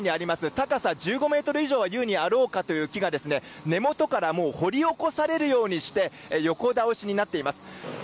高さ１５メートルくらいは優にあろうかという木が根元から掘り起こされるようにして横倒しになっています。